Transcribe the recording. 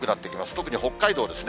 特に北海道ですね。